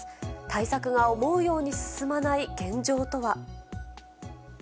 対策が思うように進まない現状とは。